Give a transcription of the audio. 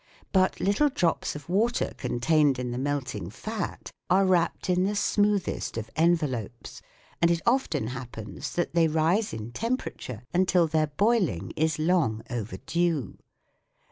But little drops of water contained in the melting fat are wrapped in the smoothest of envelopes, and it often happens that they rise in temperature until their boiling is long overdue.